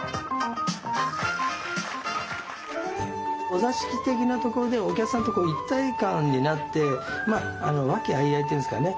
お座敷的なところでお客さんとこう一体感になって和気あいあいっていうんですかね。